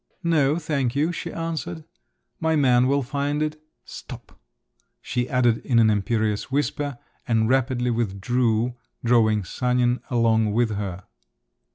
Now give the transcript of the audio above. "No, thank you," she answered … "my man will find it. Stop!" she added in an imperious whisper, and rapidly withdrew drawing Sanin along with her.